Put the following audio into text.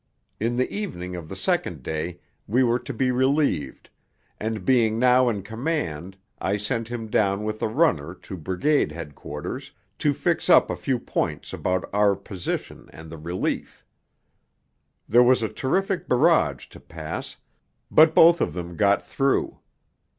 In the evening of the second day we were to be relieved, and being now in command I sent him down with a runner to Brigade Headquarters to fix up a few points about our position and the relief. There was a terrific barrage to pass, but both of them got through.